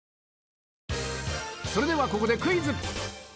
それではここでクイズ。